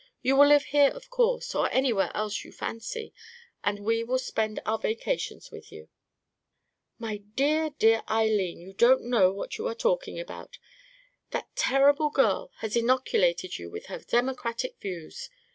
You will live here, of course, or anywhere else you fancy, and we will spend our vacations with you." "My dear, dear Eileen, you don't know what you are talking about. That terrible girl has inoculated you with her democratic views.